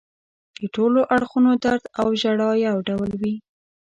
د ټولو اړخونو درد او ژړا یو ډول وي.